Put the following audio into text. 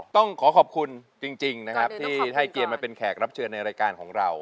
ต้องขอขอบคุณจริงนะครับที่ให้เกียรติมาเป็นแขกรับเชิญในรายการของเรา